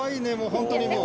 本当にもう。